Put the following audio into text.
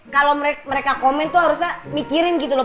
kalau mereka komen tuh harusnya mikirin gitu loh